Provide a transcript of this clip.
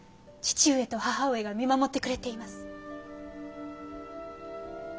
父上と母上が見守ってくれています。